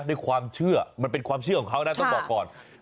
ด้วยความเชื่อมันเป็นความเชื่อของเขานะต้องบอกก่อน